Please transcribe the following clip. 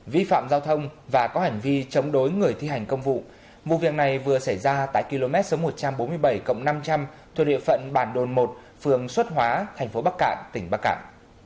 vi phạm giao thông và có hành vi chống đối người thi hành công vụ vụ việc này vừa xảy ra tại km số một trăm bốn mươi bảy năm trăm linh thuộc địa phận bản đồn một phường xuất hóa thành phố bắc cạn tỉnh bắc cạn